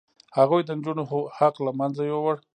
هغوی د نجونو حق له منځه یووړ.